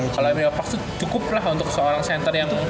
kalau emilio parks cukup lah untuk seorang center yang